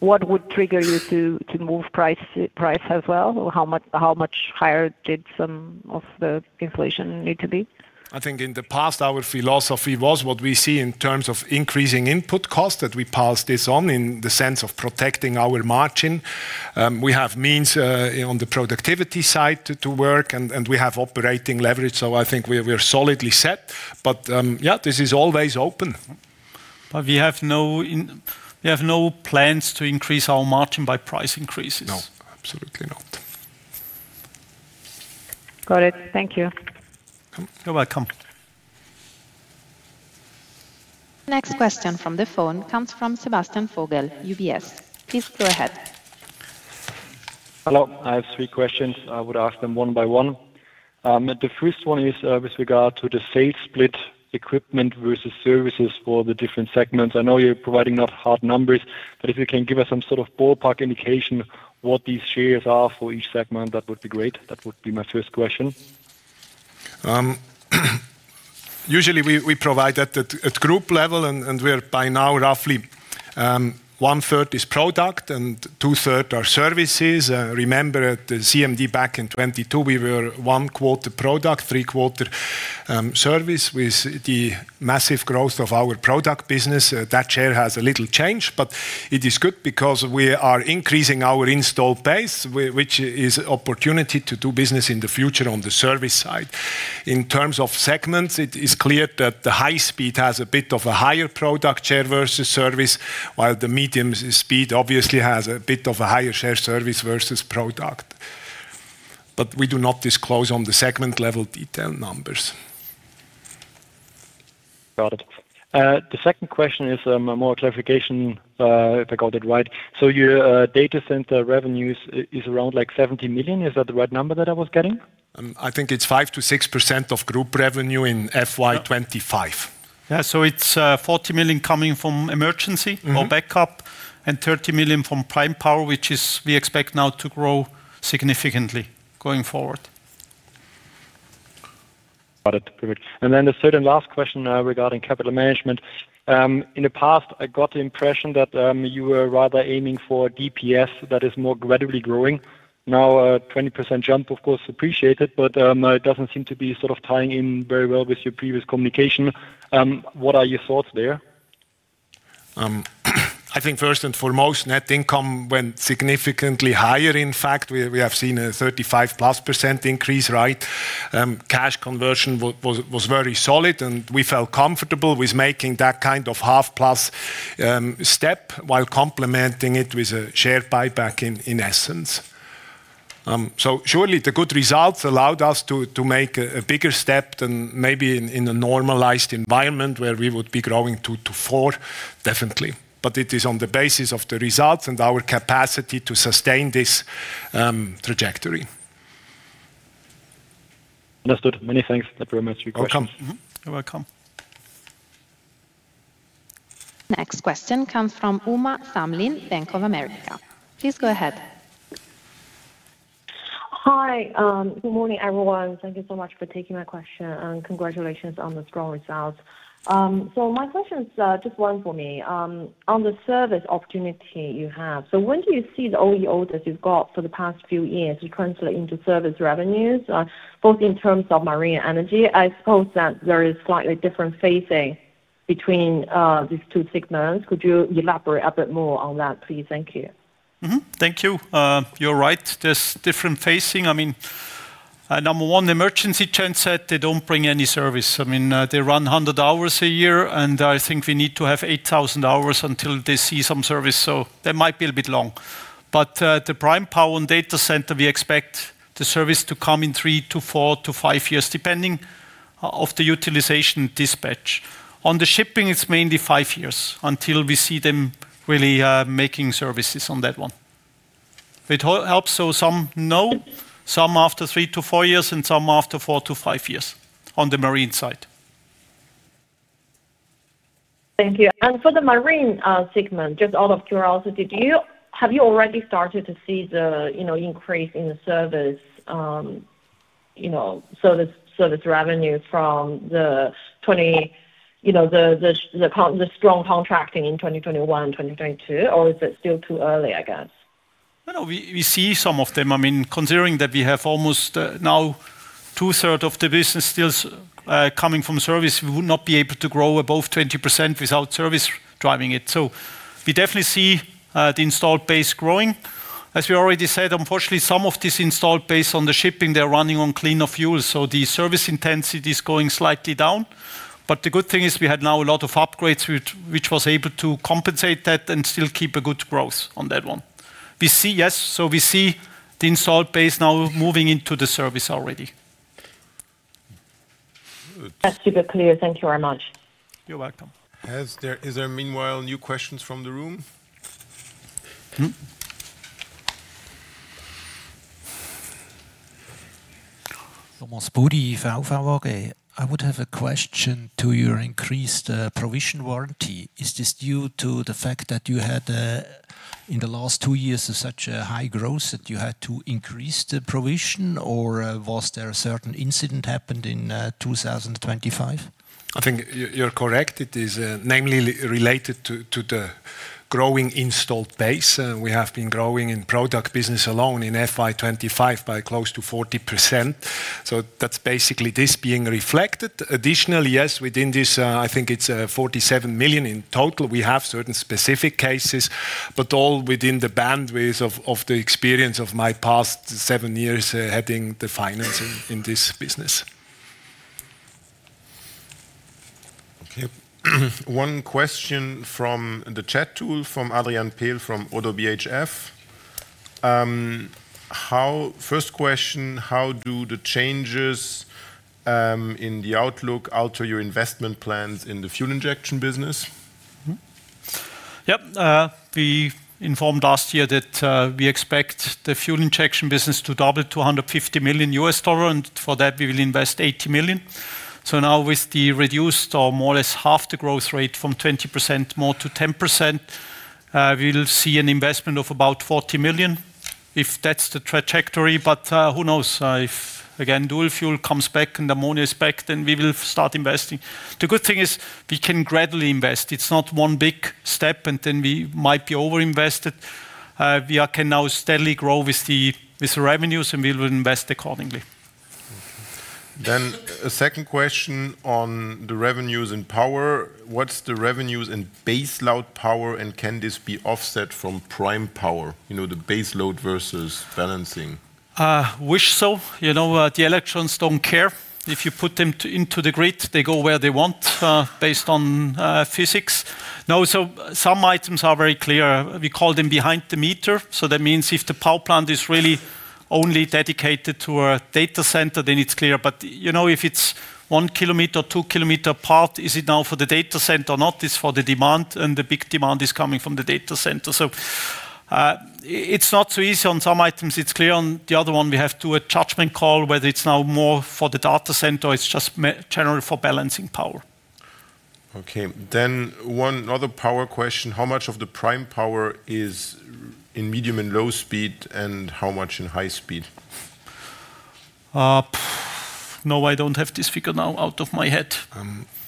What would trigger you to move price as well? Or how much higher did some of the inflation need to be? I think in the past, our philosophy was what we see in terms of increasing input cost, that we pass this on in the sense of protecting our margin. We have means on the productivity side to work, and we have operating leverage. I think we're solidly set. Yeah, this is always open. We have no plans to increase our margin by price increases. No. Absolutely not. Got it. Thank you. You're welcome. Next question from the phone comes from Sebastian Vogel, UBS. Please go ahead. Hello. I have three questions. I would ask them one by one. The first one is, with regard to the sales split equipment versus services for the different segments. I know you're providing not hard numbers, but if you can give us some sort of ballpark indication what these shares are for each segment, that would be great. That would be my first question. Usually we provide that at group level, and we're by now roughly one-third product and two-thirds services. Remember at the CMD back in 2022, we were one-quarter product, three-quarters service. With the massive growth of our product business, that share has changed a little. It is good because we are increasing our installed base, which is opportunity to do business in the future on the service side. In terms of segments, it is clear that the high-speed has a bit of a higher product share versus service, while the medium-speed obviously has a bit of a higher service share versus product. We do not disclose on the segment level detail numbers. Got it. The second question is more clarification if I got it right. Your data center revenues is around like 70 million. Is that the right number that I was getting? I think it's 5%-6% of group revenue in FY 2025. It's 40 million coming from emergency- Mm-hmm. Our backup, and 30 million from prime power, which we expect now to grow significantly going forward. Got it. Perfect. Then the third and last question regarding capital management. In the past, I got the impression that you were rather aiming for DPS that is more gradually growing. Now, a 20% jump of course appreciated, but it doesn't seem to be sort of tying in very well with your previous communication. What are your thoughts there? I think first and foremost, net income went significantly higher. In fact, we have seen a 35%+ increase, right? Cash conversion was very solid, and we felt comfortable with making that kind of half-plus step while complementing it with a share buyback in essence. Surely the good results allowed us to make a bigger step than maybe in a normalized environment where we would be growing 2%-4%, definitely. It is on the basis of the results and our capacity to sustain this trajectory. Understood. Many thanks. That were my three questions. You're welcome. Mm-hmm. You're welcome. Next question comes from Uma Samlin, Bank of America. Please go ahead. Hi. Good morning, everyone. Thank you so much for taking my question, and congratulations on the strong results. My question is just one for me. On the service opportunity you have, so when do you see the OE orders you've got for the past few years to translate into service revenues, both in terms of Marine and Energy? I suppose that there is slightly different phasing between these two segments. Could you elaborate a bit more on that, please? Thank you. Thank you. You're right. There's different phasing. I mean, number one, emergency genset, they don't bring any service. I mean, they run 100 hours a year, and I think we need to have 8,000 hours until they see some service, so that might be a bit long. The prime power and data center, we expect the service to come in three to five years, depending on the utilization dispatch. On the shipping, it's mainly five years until we see them really making services on that one. If it helps, some after three to four years, and some after four to five years on the marine side. Thank you. For the marine segment, just out of curiosity, have you already started to see the, you know, increase in the service revenues from the strong contracting in 2021, 2022, or is it still too early, I guess? No, we see some of them. I mean, considering that we have almost now two-thirds of the business still coming from service, we would not be able to grow above 20% without service driving it. We definitely see the installed base growing. As we already said, unfortunately, some of this installed base on the shipping, they're running on cleaner fuels, so the service intensity is going slightly down. But the good thing is we had now a lot of upgrades which was able to compensate that and still keep a good growth on that one. We see, yes. We see the installed base now moving into the service already. That's super clear. Thank you very much. You're welcome. Is there meanwhile new questions from the room? Hmm. Thomas Body, William Blair Investment Management. I would have a question to your increased warranty provision. Is this due to the fact that you had in the last two years such a high growth that you had to increase the provision, or was there a certain incident happened in 2025? I think you're correct. It is, namely related to the growing installed base. We have been growing in product business alone in FY 2025 by close to 40%. That's basically this being reflected. Additionally, yes, within this, I think it's $47 million in total, we have certain specific cases, but all within the bandwidth of the experience of my past seven years, heading the finance in this business. Okay. One question from the chat tool, from Adrian Pehl from ODDO BHF. First question, how do the changes in the outlook alter your investment plans in the fuel injection business? We informed last year that we expect the fuel injection business to double to $150 million, and for that, we will invest $80 million. Now with the reduced or more or less half the growth rate from 20% more to 10%, we'll see an investment of about $40 million, if that's the trajectory. Who knows? If again, dual fuel comes back and ammonia is back, we will start investing. The good thing is we can gradually invest. It's not one big step, and then we might be overinvested. We can now steadily grow with the revenues, and we will invest accordingly. A second question on the revenues in power. What's the revenues in baseload power, and can this be offset from prime power? You know, the baseload versus balancing. Wish so. You know, the electrons don't care. If you put them into the grid, they go where they want, based on physics. No, some items are very clear. We call them behind the meter. That means if the power plant is really only dedicated to a data center, then it's clear. But you know, if it's one kilometer or two kilometers apart, is it now for the data center or not? It's for the demand, and the big demand is coming from the data center. It's not so easy. On some items, it's clear. On the other one, we have to make a judgment call whether it's now more for the data center or it's just generally for balancing power. Okay. One other power question. How much of the prime power is in medium and low speed, and how much in high speed? No, I don't have this figure now out of my head.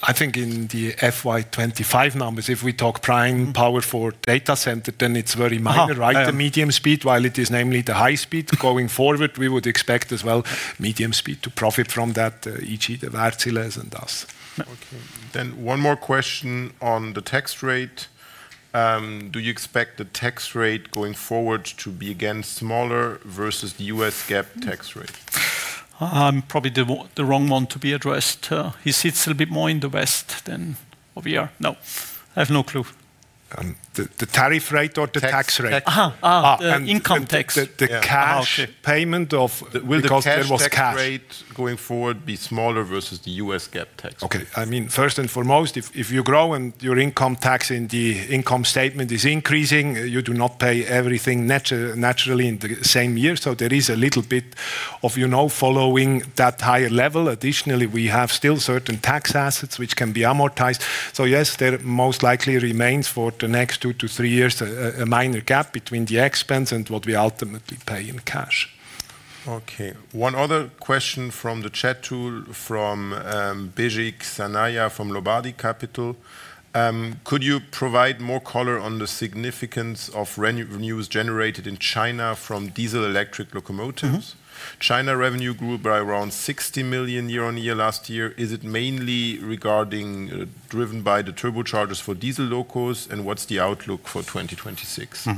I think in the FY 2025 numbers, if we talk prime power for data center, then it's very minor. Uh-huh. Right? The medium speed, while it is namely the high speed. Going forward, we would expect as well medium speed to profit from that, e.g., the Wärtsiläs, and us. Okay. One more question on the tax rate. Do you expect the tax rate going forward to be again smaller versus the U.S. GAAP tax rate? Probably the wrong one to be addressed. He sits a little bit more in the West than where we are. No, I have no clue. The tariff rate or the tax rate? Tax. Ah. The income tax. The cash payment of Will the cash tax rate going forward be smaller versus the U.S. GAAP tax rate? Okay. I mean, first and foremost, if you grow and your income tax and the income statement is increasing, you do not pay everything naturally in the same year, so there is a little bit of, you know, following that higher level. Additionally, we have still certain tax assets which can be amortized. Yes, there most likely remains for the next two to three years a minor gap between the expense and what we ultimately pay in cash. Okay. One other question from the chat tool from Bejic Sanaya from Lombardia Capital. Could you provide more color on the significance of revenues generated in China from diesel electric locomotives? Mm-hmm. China revenue grew by around 60 million year-on-year last year. Is it mainly regarding, driven by the turbochargers for diesel locos, and what's the outlook for 2026?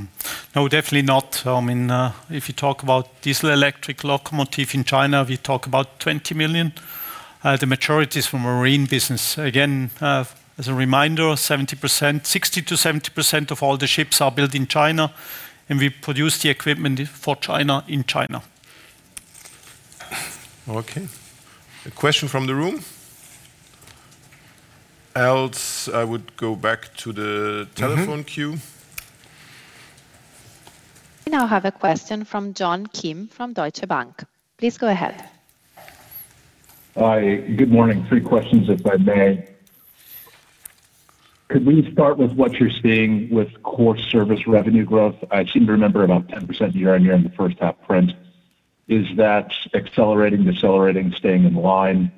No, definitely not. I mean, if you talk about diesel electric locomotive in China, we talk about $20 million. The majority is from marine business. Again, as a reminder, 60%-70% of all the ships are built in China, and we produce the equipment for China in China. Okay. A question from the room? Else I would go back to the. Mm-hmm. Telephone queue. We now have a question from Joon Kim from Deutsche Bank. Please go ahead. Hi. Good morning. Three questions, if I may. Could we start with what you're seeing with core service revenue growth? I seem to remember about 10% year-on-year in the first half print. Is that accelerating, decelerating, staying in line?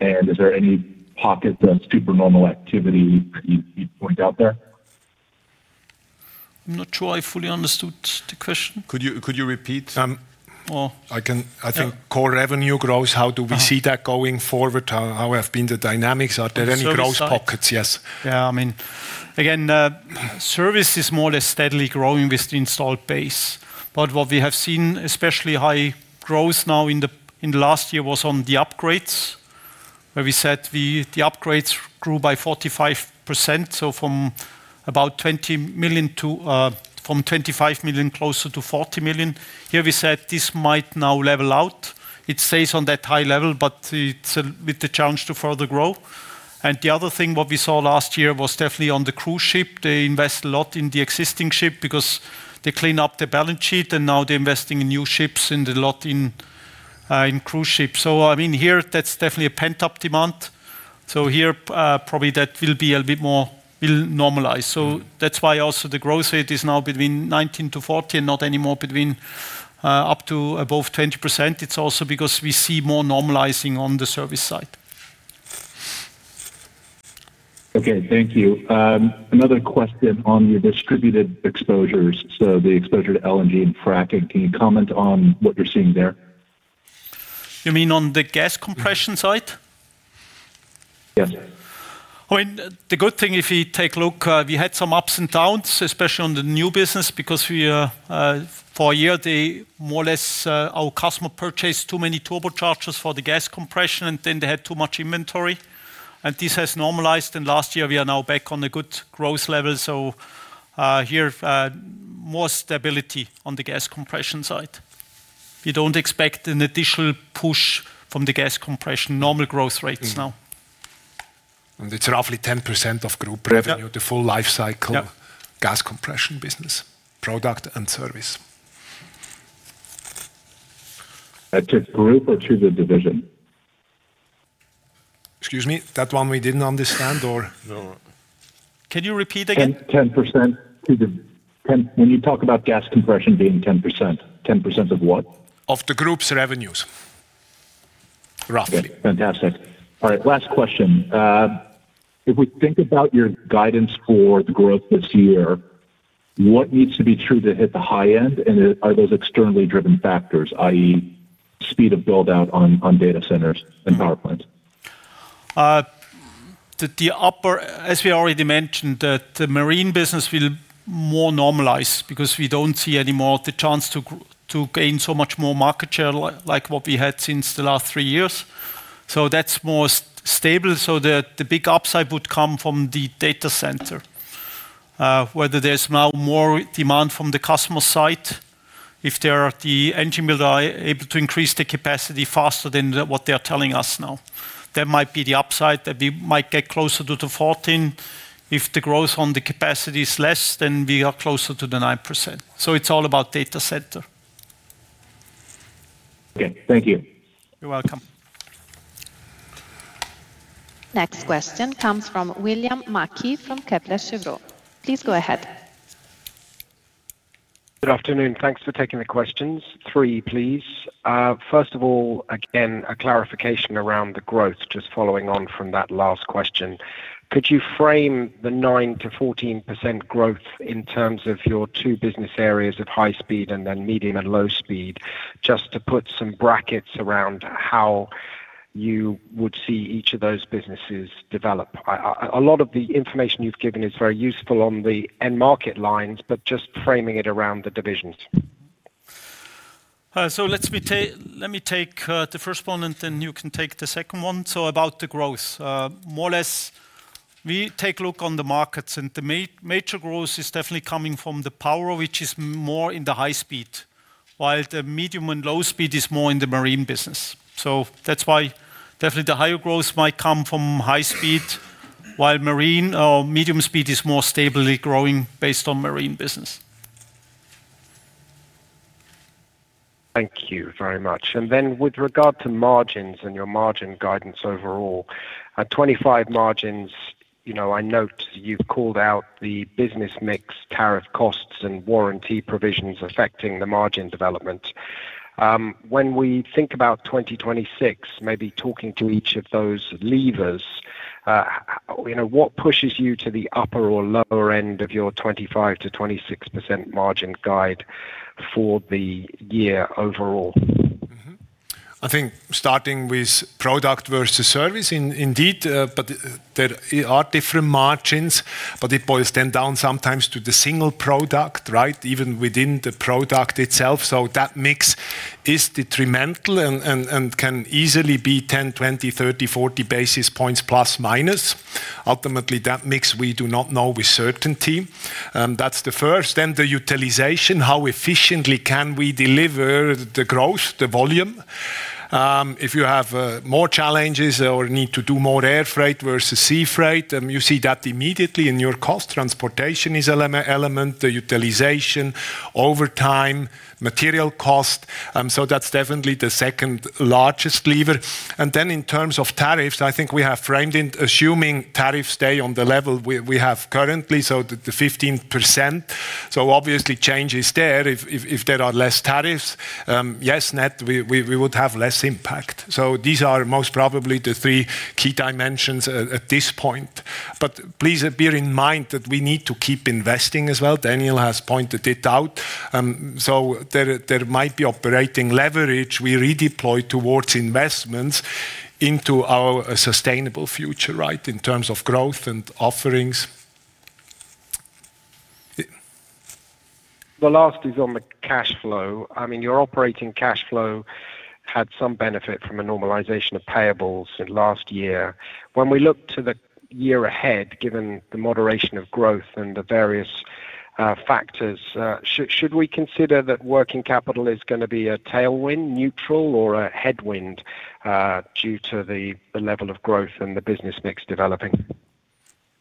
Is there any pocket of super normal activity you'd point out there? I'm not sure I fully understood the question. Could you repeat? I think core revenue growth, how do we see that going forward? How have been the dynamics? Are there any growth pockets? On the service side? Yes. Yeah. I mean, again, service is more or less steadily growing with the installed base. What we have seen, especially high growth now in the last year was on the upgrades, where we said the upgrades grew by 45%, so from about 20 million to from 25 million closer to 40 million. Here we said this might now level out. It stays on that high level, but it's a challenge to further grow. The other thing what we saw last year was definitely on the cruise ship. They invest a lot in the existing ship because they clean up the balance sheet, and now they're investing in new ships and a lot in cruise ships. I mean, here, that's definitely a pent-up demand. Here, probably that will be a bit more will normalize. That's why also the growth rate is now between 19%-40% and not anymore between up to above 20%. It's also because we see more normalizing on the service side. Okay. Thank you. Another question on your diversified exposures, so the exposure to LNG and fracking. Can you comment on what you're seeing there? You mean on the gas compression side? Yes. Well, the good thing, if you take a look, we had some ups and downs, especially on the new business, because for a year, they more or less, our customer purchased too many turbochargers for the gas compression, and then they had too much inventory. This has normalized, and last year we are now back on a good growth level. Here, more stability on the gas compression side. We don't expect an additional push from the gas compression. Normal growth rates now. It's roughly 10% of group revenue. Yep. The full lifecycle Yep. Gas compression business, product and service. To group or to the division? Excuse me? That one we didn't understand. No. Can you repeat again? 10%. When you talk about gas compression being 10%, 10% of what? Of the group's revenues. Roughly. Fantastic. All right. Last question. If we think about your guidance for the growth this year, what needs to be true to hit the high end? And are those externally driven factors, i.e., speed of build-out on data centers and power plants? As we already mentioned, the marine business will more normalize because we don't see any more the chance to gain so much more market share like what we had since the last three years. That's more stable. The big upside would come from the data center, whether there's now more demand from the customer side, if there are the engine builder are able to increase the capacity faster than what they are telling us now. That might be the upside, that we might get closer to the 14%. If the growth on the capacity is less, then we are closer to the 9%. It's all about data center. Okay. Thank you. You're welcome. Next question comes from William Mackie from Kepler Cheuvreux. Please go ahead. Good afternoon. Thanks for taking the questions. Three, please. First of all, again, a clarification around the growth, just following on from that last question. Could you frame the 9%-14% growth in terms of your two business areas of high speed and then medium and low speed, just to put some brackets around how you would see each of those businesses develop? A lot of the information you've given is very useful on the end market lines, but just framing it around the divisions. Let me take the first one, and then you can take the second one. About the growth. More or less, we take a look on the markets, and the major growth is definitely coming from the power, which is more in the high speed, while the medium and low speed is more in the marine business. That's why definitely the higher growth might come from high speed, while marine or medium speed is more stably growing based on marine business. Thank you very much. Then with regard to margins and your margin guidance overall, at 25 margins, you know, I note you've called out the business mix, tariff costs, and warranty provisions affecting the margin development. When we think about 2026, maybe talking to each of those levers, you know, what pushes you to the upper or lower end of your 25%-26% margin guide for the year overall? I think starting with product versus service, indeed, but there are different margins, but it boils down sometimes to the single product, right? Even within the product itself. That mix is detrimental and can easily be 10, 20, 30, 40 basis points plus, minus. Ultimately, that mix we do not know with certainty. That's the first. The utilization. How efficiently can we deliver the growth, the volume? If you have more challenges or need to do more air freight versus sea freight, you see that immediately in your cost. Transportation is an element, the utilization over time, material cost. That's definitely the second largest lever. Then in terms of tariffs, I think we have framed in assuming tariffs stay on the level we have currently, so the 15%. Obviously change is there. If there are less tariffs, yes, net, we would have less impact. These are most probably the three key dimensions at this point. Please bear in mind that we need to keep investing as well. Daniel has pointed it out. There might be operating leverage we redeploy towards investments into our sustainable future, right? In terms of growth and offerings. The last is on the cash flow. I mean, your operating cash flow had some benefit from a normalization of payables in last year. When we look to the year ahead, given the moderation of growth and the various factors, should we consider that working capital is gonna be a tailwind, neutral or a headwind, due to the level of growth and the business mix developing?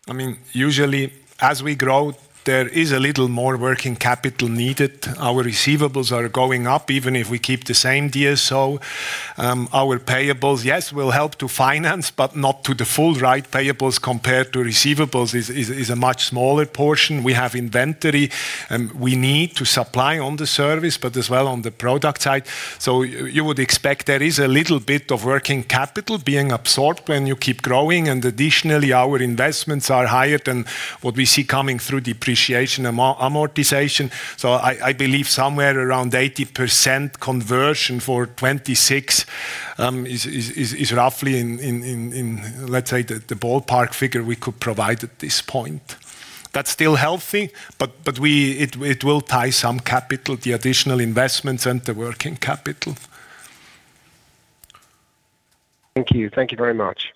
I mean, usually as we grow, there is a little more working capital needed. Our receivables are going up, even if we keep the same DSO. Our payables, yes, will help to finance, but not to the full, right? Payables compared to receivables is a much smaller portion. We have inventory, and we need to supply on the service, but as well on the product side. You would expect there is a little bit of working capital being absorbed when you keep growing. Additionally, our investments are higher than what we see coming through depreciation amortization. I believe somewhere around 80% conversion for 2026 is roughly in let's say the ballpark figure we could provide at this point. That's still healthy, but it will tie some capital, the additional investments and the working capital. Thank you. Thank you very much.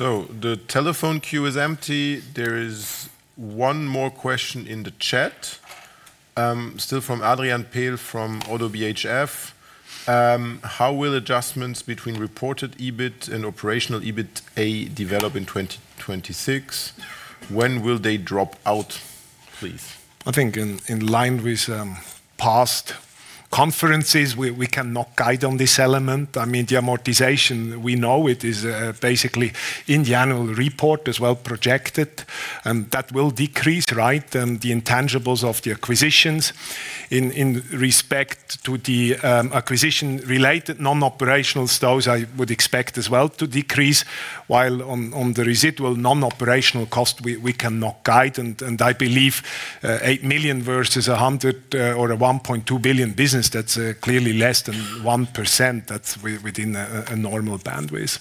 Mm-hmm. The telephone queue is empty. There is one more question in the chat, still from Adrian Pehl from ODDO BHF. How will adjustments between reported EBIT and operational EBITA develop in 2026? When will they drop out, please? I think in line with past conferences, we cannot guide on this element. I mean, the amortization, we know it is basically in the annual report as well projected, and that will decrease, right? The intangibles of the acquisitions in respect to the acquisition related non-operational costs, I would expect as well to decrease. While on the residual non-operational cost, we cannot guide. I believe 8 million versus 100 million or 1.2 billion business, that's clearly less than 1%. That's within a normal bandwidth.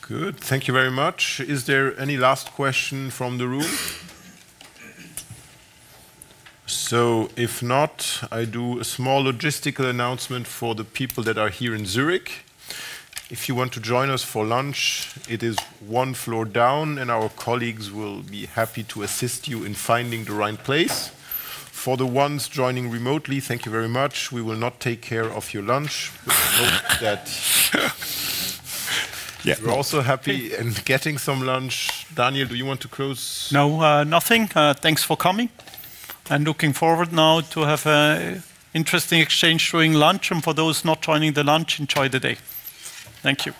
Good. Thank you very much. Is there any last question from the room? If not, I do a small logistical announcement for the people that are here in Zurich. If you want to join us for lunch, it is one floor down, and our colleagues will be happy to assist you in finding the right place. For the ones joining remotely, thank you very much. We will not take care of your lunch. We hope that. Yeah. You're also happy in getting some lunch. Daniel, do you want to close? No, nothing. Thanks for coming. Looking forward now to have an interesting exchange during lunch. For those not joining the lunch, enjoy the day. Thank you.